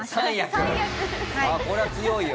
あっこれは強いよ。